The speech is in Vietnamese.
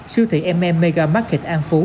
siêu thị mm megamarket an phú